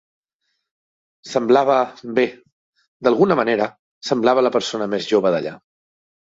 Semblava... bé, d'alguna manera, semblava la persona més jova d'allà.